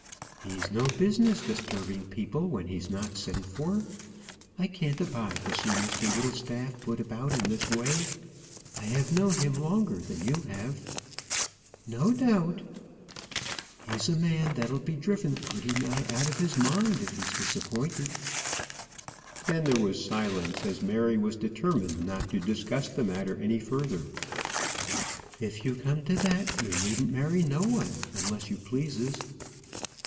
"He's no business disturbing people when he's not sent for. I can't abide to see Mr Whittlestaff put about in this way. I have known him longer than you have." "No doubt." "He's a man that'll be driven pretty nigh out of his mind if he's disappointed." Then there was silence, as Mary was determined not to discuss the matter any further. "If you come to that, you needn't marry no one unless you pleases."